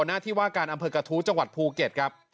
หน้าที่ว่าการอำเภอกระทู้จังหวัดภูเก็ตครับ